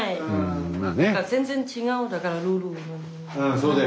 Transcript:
そうだよな。